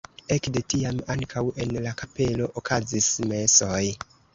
Ekde tiam ankaŭ en la kapelo okazis mesoj.